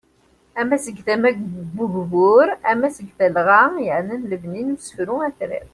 Ama seg tama n ugbur, ama deg talɣa yaɛnan lebni usefru atrar.